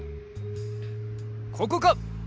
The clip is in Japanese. ここか！